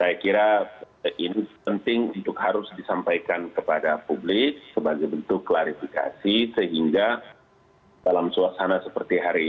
saya kira ini penting untuk harus disampaikan kepada publik sebagai bentuk klarifikasi sehingga dalam suasana seperti hari ini